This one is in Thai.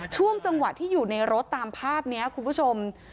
ช่วงจังหวะที่อยู่ในรถตามภาพนี้คุณผู้ชม